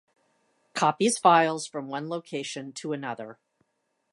Copies files from one location to another.